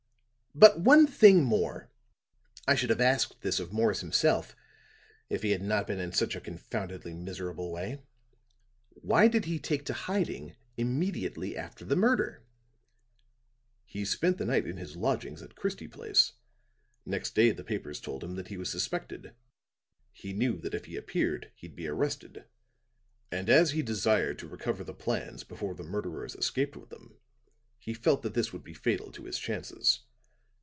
But, one thing more. I should have asked this of Morris himself if he had not been in such a confoundedly miserable way. Why did he take to hiding immediately after the murder?" "He spent the night in his lodgings at Christie Place; next day the papers told him that he was suspected. He knew that if he appeared he'd be arrested; and as he desired to recover the plans before the murderers escaped with them, he felt that this would be fatal to his chances.